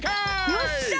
よっしゃ！